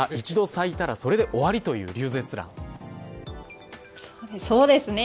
一度咲いたらそれで終わりそうですね。